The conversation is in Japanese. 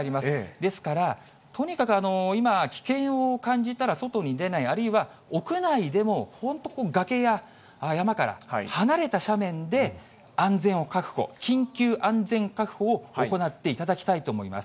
ですからとにかく、今、危険を感じたら外に出ない、あるいは屋内でも本当、崖や山から離れた斜面で安全を確保、緊急安全確保を行っていただきたいと思います。